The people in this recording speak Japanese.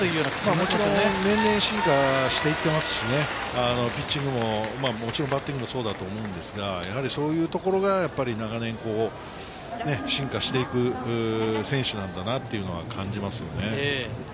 もちろん年々進化していってますしね、ピッチングももちろんバッティングもそうだと思うんですが、そういうところが長年、進化していく選手なんだなというのは感じますよね。